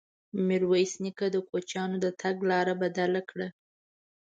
ميرويس نيکه د کوچيانو د تګ لاره بدله کړه.